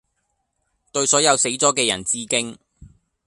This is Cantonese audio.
對所有死咗嘅人致敬